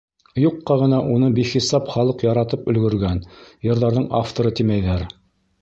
Юҡҡа ғына уны бихисап халыҡ яратып өлгөргән йырҙарҙың авторы тимәйҙәр.